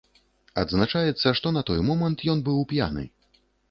Адзначаецца, што на той момант ён быў п'яны.